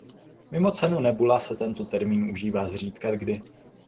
Mimo cenu Nebula se tento termín užívá zřídkakdy.